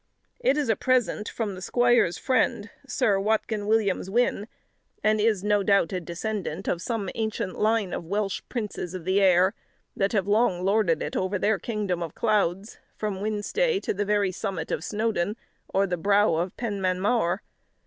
It is a present from the squire's friend, Sir Watkyn Williams Wynn; and is, no doubt, a descendant of some ancient line of Welsh princes of the air, that have long lorded it over their kingdom of clouds, from Wynnstay to the very summit of Snowdon, or the brow of Penmanmawr.